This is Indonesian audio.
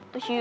tuh si yusuf